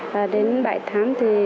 và đến bảy tháng thì